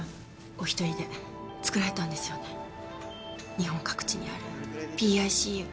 日本各地にあるＰＩＣＵ。